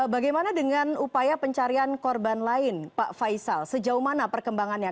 bagaimana dengan upaya pencarian korban lain pak faisal sejauh mana perkembangannya